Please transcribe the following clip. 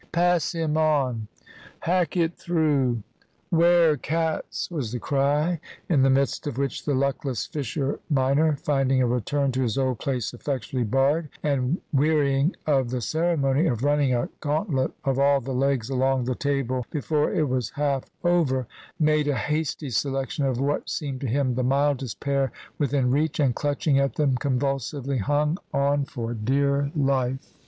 "Pass him on!" "Hack it through!" "Ware cats!" was the cry, in the midst of which the luckless Fisher minor, finding a return to his old place effectually barred, and wearying of the ceremony of running a gauntlet of all the legs along the table before it was half over, made a hasty selection of what seemed to him the mildest pair within reach, and clutching at them convulsively, hung on for dear life.